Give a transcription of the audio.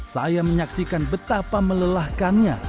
saya menyaksikan betapa melelahkannya